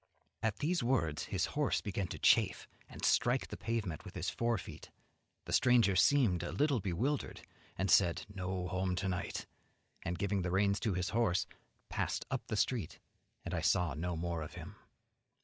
At these words his horse began to chafe, and strike the pavement with his fore feet; the stranger seemed a little bewildered, and said "No home to night," and, giving the reins to his horse, passed up the street, and I saw no more of him.